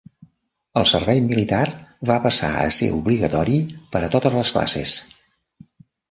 El servei militar va passar a ser obligatori per a totes les classes.